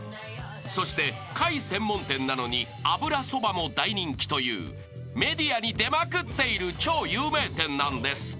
［そして貝専門店なのに油そばも大人気というメディアに出まくっている超有名店なんです］